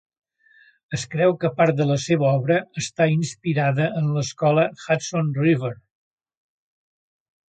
Es creu que part de la seva obra està inspirada en l'escola Hudson River.